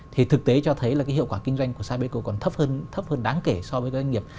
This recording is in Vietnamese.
thì thực tế cho thấy là cái hiệu quả kinh doanh của sapeco còn thấp hơn đáng kể so với doanh nghiệp